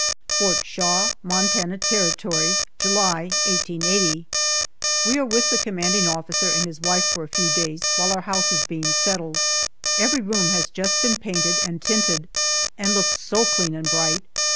FORT SHAW, MONTANA TERRITORY, July, 1880. WE are with the commanding officer and his wife for a few days while our house is being settled. Every room has just been painted and tinted and looks so clean and bright.